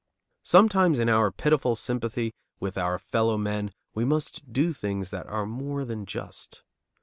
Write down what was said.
Sometimes in our pitiful sympathy with our fellow men we must do things that are more than just.